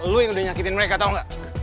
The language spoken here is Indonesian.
lo yang udah nyakitin mereka tau nggak